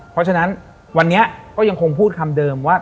เพราะฉะนั้นวันนี้ก็ยังคงพูดคำเดิมว่า